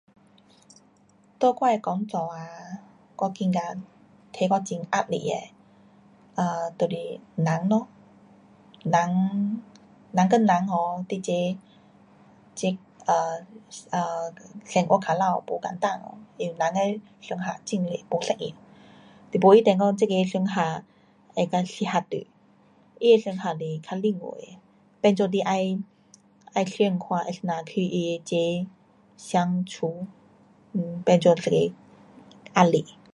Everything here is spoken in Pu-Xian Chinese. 在我的工作啊，我觉得给我很压力的[um]就是人咯。人，人跟人[um]你齐，齐，啊，啊，生活靠牢不简单，因为人的想法很多不一样。你不一定讲这个想法会较适合你。他的想法是较另外的。变作你要，要想看要啊怎样去他齐相处。[um]变作一个压力。